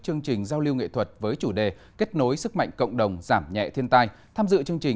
chương trình giao lưu nghệ thuật với chủ đề kết nối sức mạnh cộng đồng giảm nhẹ thiên tai tham dự chương trình